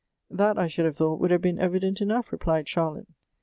" That, I should have thought, would have been evident enough," i eplied Charlotte.